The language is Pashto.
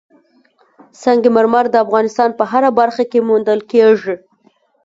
سنگ مرمر د افغانستان په هره برخه کې موندل کېږي.